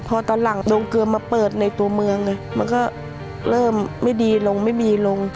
พอตอนหลังโรงเกลือมาเปิดในตัวเมืองมันก็เริ่มไม่ดีลงไม่มีลง